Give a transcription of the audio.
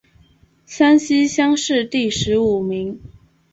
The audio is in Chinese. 山西乡试第十五名。